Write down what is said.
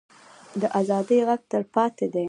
د ازادۍ غږ تلپاتې دی